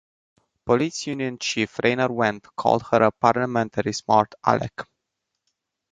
Police union chief Rainier Wendt called her a "parliamentary smart aleck".